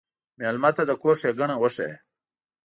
مېلمه ته د کور ښيګڼه وښیه.